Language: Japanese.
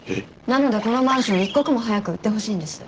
なのでこのマンション一刻も早く売ってほしいんです。